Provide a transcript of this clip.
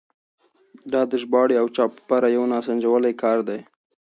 دا د ژباړې او چاپ لپاره یو ناسنجولی کار دی.